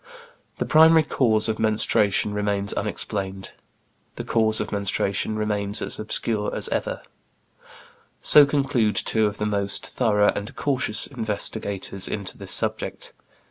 "The primary cause of menstruation remains unexplained"; "the cause of menstruation remains as obscure as ever"; so conclude two of the most thorough and cautious investigators into this subject.